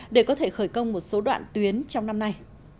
để có thể khởi công một số đoạn tuyến trong năm nay